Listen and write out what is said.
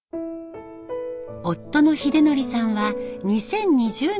夫の秀則さんは２０２０年に他界。